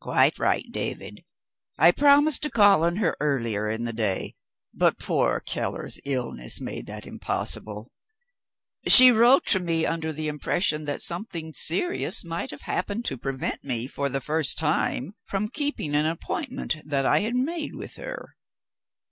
"Quite right, David. I promised to call on her earlier in the day; but poor Keller's illness made that impossible. She wrote to me under the impression that something serious must have happened to prevent me, for the first time, from keeping an appointment that I had made with her.